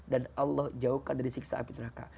dan allah jauhkan dari siksa api teraka